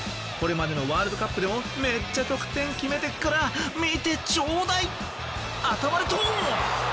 これまでのワールドカップでもめっちゃ得点決めてっから見てちょうだい。